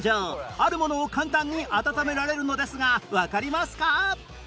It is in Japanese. あるものを簡単に温められるのですがわかりますか？